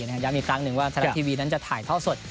ย้ำอีกครั้งหนึ่งว่าไทยรัฐทีวีนั้นจะถ่ายท่อสด